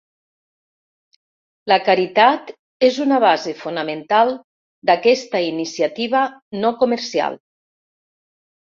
La caritat és una base fonamental d'aquesta iniciativa no comercial.